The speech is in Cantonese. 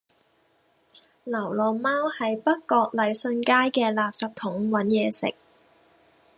流浪貓喺北角禮信街嘅垃圾桶搵野食